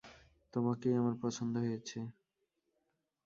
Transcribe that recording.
তোমাকেই আমার পছন্দ হয়েছে।